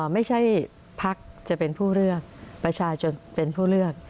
ไม่ใช่ภาคจะเป็นผู้เลือกประชาชนเป็นผู้เลือก